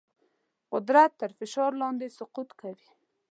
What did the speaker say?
قدرت تر فشار لاندې سقوط کوي.